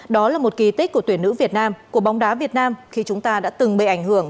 đó là một kỳ tích của tuyển nữ việt nam của bóng đá việt nam khi chúng ta đã từng bị ảnh hưởng